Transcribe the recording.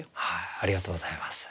ありがとうございます。